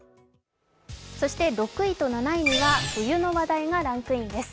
６位と７位には冬の話題がランクインです。